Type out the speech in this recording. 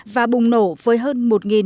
và bùng nổ với hơn một một trăm bốn mươi sáu